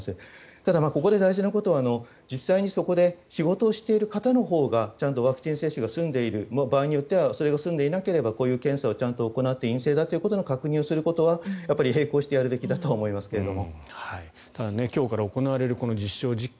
ただ、ここで大事なことは実際にそこで仕事をしている方のほうがちゃんとワクチン接種が済んでいる場合によっては済んでいなければこういう検査をちゃんとやって陰性だということの確認をすることは並行してやるべきだとは思いますけれども。